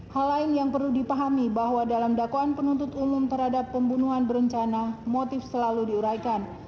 hal lain yang perlu dipahami bahwa dalam dakwaan penuntut umum terhadap pembunuhan berencana motif selalu diuraikan